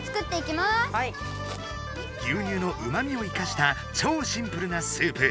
牛乳のうまみを生かした超シンプルなスープ。